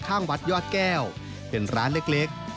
ข้างวัดยอดแก้วเป็นร้านเล็ก